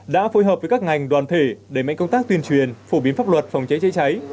đã phối hợp với các ngành đoàn thể đẩy mạnh công tác tuyên truyền phổ biến pháp luật phòng cháy chữa cháy